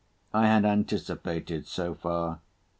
I had anticipated so far.